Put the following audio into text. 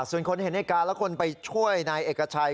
ส่วนคนเห็นในการและคนไปช่วยนายเอกชัย